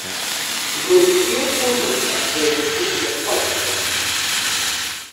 ntukwiye kuntuka hejuru ya twa tugati.